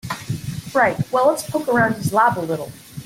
Right, well let's poke around his lab a little.